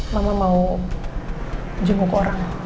mama mau jemput ke orang